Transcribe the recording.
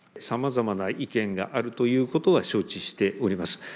さまざまな意見があるということは承知しております。